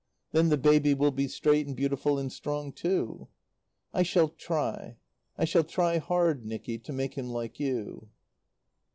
Then the baby will be straight and beautiful and strong, too. "I shall try I shall try hard, Nicky to make him like you."